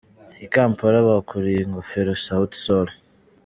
I Kampala bakuriye ingofero Sauti Sol.